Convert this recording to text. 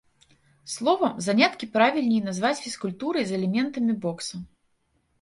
Словам, заняткі правільней назваць фізкультурай з элементамі бокса.